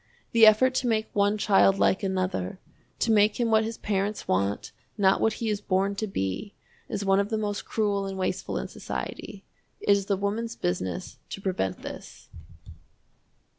The effort to make one child like another, to make him what his parents want, not what he is born to be, is one of the most cruel and wasteful in society. It is the woman's business to prevent this.